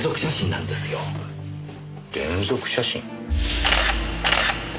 連続写真？